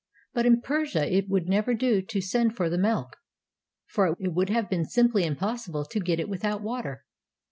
But in Persia it would never do to send for the milk, for it would have been simply impossible to get it without water.